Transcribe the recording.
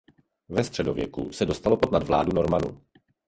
Ve středověku se dostalo pod nadvládu Normanů.